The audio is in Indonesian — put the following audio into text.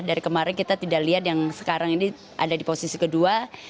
dari kemarin kita tidak lihat yang sekarang ini ada di posisi kedua